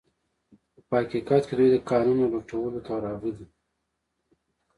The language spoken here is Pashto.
خو په حقیقت کې دوی د کانونو لوټولو ته راغلي